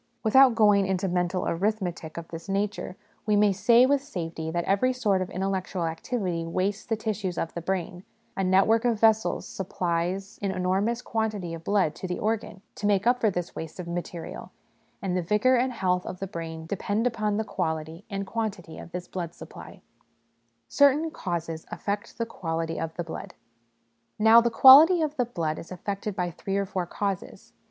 Without going into mental arithmetic of this nature, we may say with safety that every sort of intellectual activity wastes the tissues of the brain ; a network of vessels supplies an enormous quantity of blood to the organ, to make up for this waste of material ; and the vigour and health of the brain depend upon the quality and quantity of this blood supply. SOME PRELIMINARY CONSIDERATIONS 2$ Certain Causes affect the Quality of the Blood. Now, the quality of the blood is affected by three or four causes.